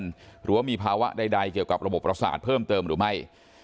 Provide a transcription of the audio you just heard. หรือว่ามีภาวะใดเกี่ยวกับระบบประสาทเพิ่มเติมหรือไม่